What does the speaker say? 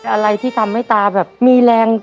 อะไรที่ทำให้ตาแบบมีแรง